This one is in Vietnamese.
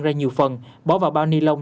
ra nhiều phần bỏ vào bao ni lông